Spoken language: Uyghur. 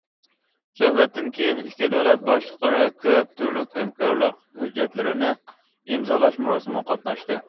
سۆھبەتتىن كىيىن، ئىككى دۆلەت باشلىقلىرى كۆپ تۈرلۈك ھەمكارلىق ھۆججەتلىرىنى ئىمزالاش مۇراسىمغا قاتناشتى.